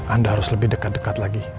anda harus lebih dekat dekat lagi